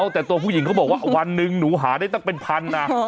แต่ตัวผู้หญิงเขาบอกว่าวันหนึ่งหนูหาได้ตั้งเป็นพันนะ